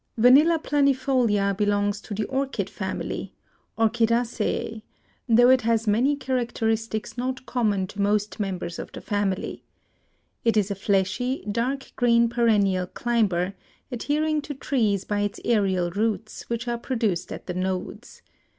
Vanilla planifolia belongs to the Orchid family (Orchidaceae), though it has many characteristics not common to most members of the family. It is a fleshy, dark green perennial climber, adhering to trees by its aerial roots, which are produced at the nodes.